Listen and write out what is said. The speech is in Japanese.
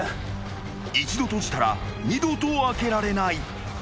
［一度閉じたら二度と開けられない］